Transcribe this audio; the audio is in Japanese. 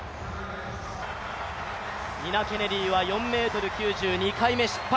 ニナ・ケネディは４ｍ９０、２回目失敗。